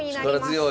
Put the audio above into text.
力強い！